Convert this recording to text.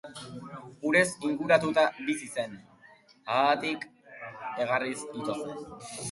Urez inguratuta bizi zen, haatik, egarriz ito zen.